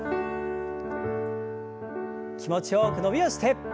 気持ちよく伸びをして。